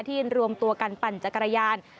รวมตัวกันปั่นจักรยาน